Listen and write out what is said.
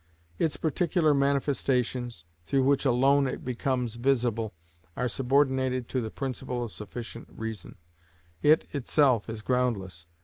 Its particular manifestations, through which alone it becomes visible, are subordinated to the principle of sufficient reason; it itself is groundless.